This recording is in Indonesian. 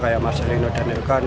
kayak marcelino dan ilkan